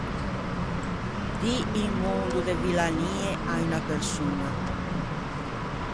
Dî un mondo de villanie à unna persoña.